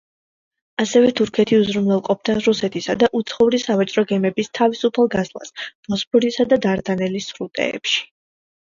ასევე თურქეთი უზრუნველყოფდა რუსეთისა და უცხოური სავაჭრო გემების თავისუფალ გასვლას ბოსფორისა და დარდანელის სრუტეებში.